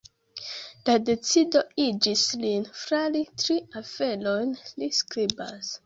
La decido igis lin flari tri aferojn, li skribas.